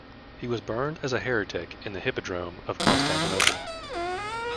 He was burned as a heretic in the hippodrome of Constantinople.